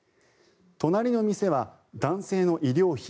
隣の店は男性の医療費